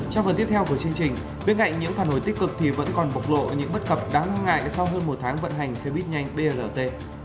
trong phần tiếp theo của chương trình bên cạnh những phản hồi tích cực thì vẫn còn bộc lộ những bất cập đáng lo ngại sau hơn một tháng vận hành xe buýt nhanh brt